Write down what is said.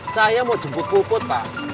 saya mau jemput buku pak